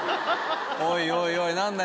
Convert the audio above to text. おいおいおい何だ？